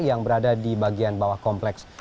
yang berada di bagian bawah kompleks